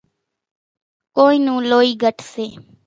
ڪونئين نون لوئي گھٽ سي۔